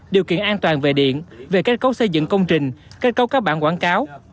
điều kiện an toàn về điện về kết cấu xây dựng công trình kết cấu các bản quảng cáo